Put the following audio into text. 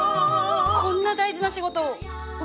こんな大事な仕事を私が？